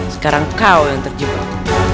sekarang kau yang terjebak